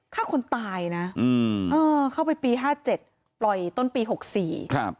ฆ่าคนตายนะเข้าไปปี๕๗ปล่อยต้นปี๖๔